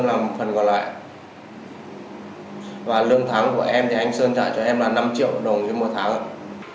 và lương thắng của em thì anh sơn trả cho em là năm triệu đồng cho mỗi tháng